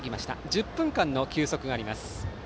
１０分間の休息があります。